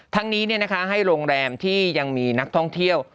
ทั้งนี้ให้โรงแรมที่ยังมีนักท่องเที่ยว